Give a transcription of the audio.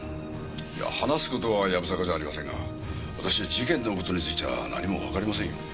いや話す事はやぶさかじゃありませんが私事件の事についちゃあ何もわかりませんよ。